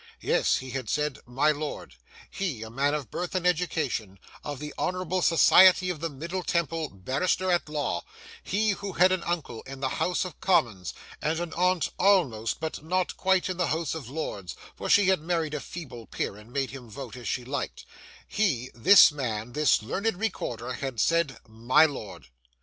Yes, he had said, 'my lord;'—he, a man of birth and education, of the Honourable Society of the Middle Temple, Barrister at Law,—he who had an uncle in the House of Commons, and an aunt almost but not quite in the House of Lords (for she had married a feeble peer, and made him vote as she liked),—he, this man, this learned recorder, had said, 'my lord.